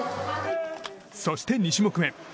そして２種目。